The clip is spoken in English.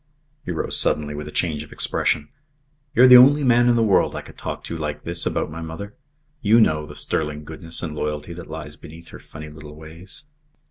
He rose suddenly, with a change of expression. "You're the only man in the world I could talk to like this about my mother. You know the sterling goodness and loyalty that lies beneath her funny little ways."